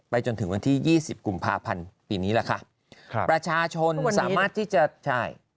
จนถึงวันที่ยี่สิบกุมภาพันธ์ปีนี้แหละค่ะครับประชาชนสามารถที่จะใช่